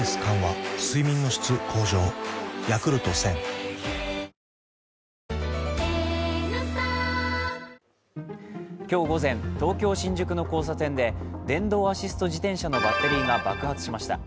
今日のチラシで今日午前、東京・新宿の交差点で電動アシスト自転車のバッテリーが爆発しました。